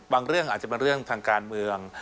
เรื่องอาจจะเป็นเรื่องทางการเมือง